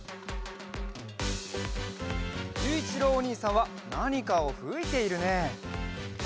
ゆういちろうおにいさんはなにかをふいているね。